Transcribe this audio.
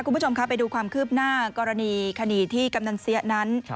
คุณผู้ชมครับไปดูความคืบหน้ากรณีคดีที่กำนันเสียนั้น